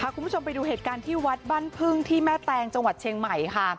คุณผู้ชมไปดูเหตุการณ์ที่วัดบ้านพึ่งที่แม่แตงจังหวัดเชียงใหม่ค่ะ